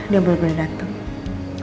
dia boleh boleh dateng